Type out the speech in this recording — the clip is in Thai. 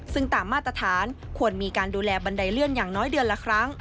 ซึ่งตามมาตรฐานควรมีการดูแลบันไดเลื่อนอย่างน้อยเดือนละครั้ง